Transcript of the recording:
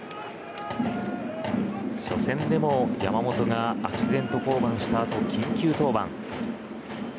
初戦でも山本がアクシデント降板した後緊急登板。